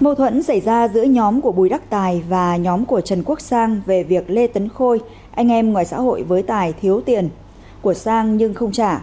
mâu thuẫn xảy ra giữa nhóm của bùi đắc tài và nhóm của trần quốc sang về việc lê tấn khôi anh em ngoài xã hội với tài thiếu tiền của sang nhưng không trả